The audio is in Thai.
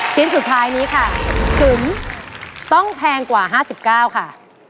ชิ้นสุดท้ายนี้ค่ะกลุ่มต้องแพงกว่าห้าสิบเก้าค่ะ